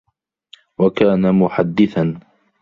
وَكَانَ مُحَدِّثًا